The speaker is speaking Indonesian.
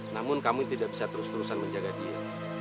namun kami tidak bisa terus terusan menjaga dia